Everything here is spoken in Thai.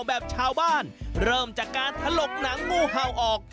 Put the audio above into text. แบบชาวบ้านเริ่มจากการถลกหนังงูเห่าออก